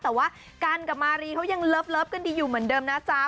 แต่ว่ากันกับมารีเขายังเลิฟกันดีอยู่เหมือนเดิมนะจ๊ะ